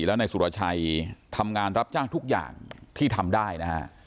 แล้วนายสุรชัยทำงานรับจ้างทุกอย่างที่ทำได้นะฮะ